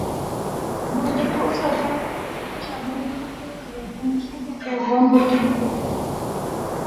বন্দরটি Osaka উপসাগরের উত্তর তীরে হোনশু দ্বীপে বন্দরটি গড়ে উঠেছে।